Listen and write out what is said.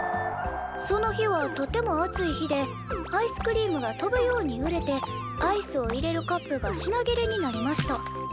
「その日はとても暑い日でアイスクリームが飛ぶように売れてアイスを入れるカップが品切れになりました。